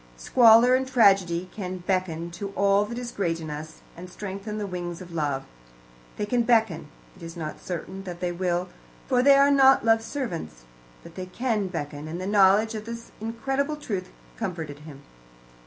Squalor and tragedy can beckon to all that is great in us, and strengthen the wings of love. They can beckon; it is not certain that they will, for they are not love's servants. But they can beckon, and the knowledge of this incredible truth comforted him.